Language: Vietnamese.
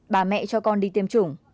bà mẹ cho con đi tiêm chủng